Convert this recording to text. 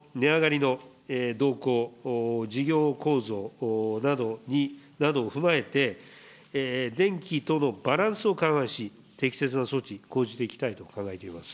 そしてガスについても、値上がりの動向、事業構造などを踏まえて、電気とのバランスを勘案し、適切な措置、講じていきたいと考えています。